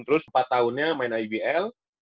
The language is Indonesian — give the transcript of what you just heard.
terus empat tahunnya main ibl